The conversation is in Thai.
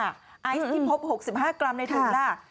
ไอซ์ที่พบ๖๕กรัมในถุงล่ะ